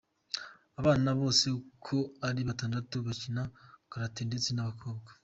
Abana be bose uko ari batandatu bakina karate ndetse n’abakobwa.